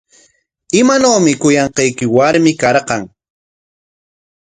¿Imanawmi kuyanqayki warmi karqan?